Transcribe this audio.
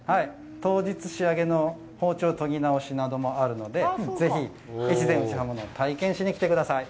当日仕上げの包丁研ぎ直しなどもあるのでぜひ越前打刃物を体験しに来てください。